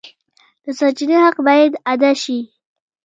د سرچینې حق باید ادا شي.